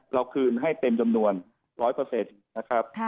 คืนให้เต็มจำนวน๑๐๐นะครับ